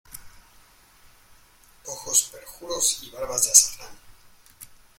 ¡ ojos perjuros y barbas de azafrán!